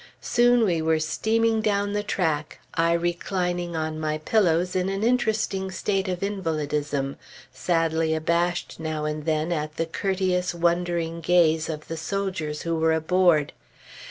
Soon we were steaming down the track, I reclining on my pillows in an interesting state of invalidism, sadly abashed now and then at the courteous, wondering gaze of the soldiers who were aboard.